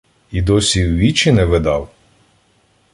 І досі в вічі не видав?